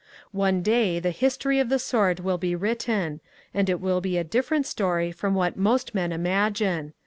One day the history of the sword will be written — and it will be a different story from what most men imagine.